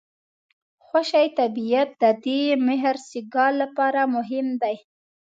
خوشي طبیعت د دې مهرسګال لپاره مهم دی.